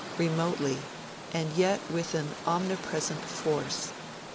Remotely and yet with an omnipresent force.